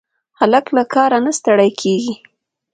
هلک له کاره نه ستړی کېږي.